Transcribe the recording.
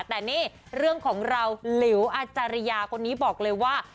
แต่นี่เรื่องของเราหลิวอาจารยาคนนี้บอกเลยว่า